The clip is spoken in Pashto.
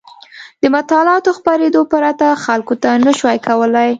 د معلوماتو خپرېدو پرته خلکو نه شوای کولای.